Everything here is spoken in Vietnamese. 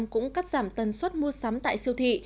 ba mươi cũng cắt giảm tần suất mua sắm tại siêu thị